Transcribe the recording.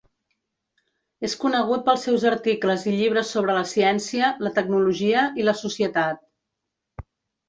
És conegut pels seus articles i llibres sobre la ciència, la tecnologia i la societat.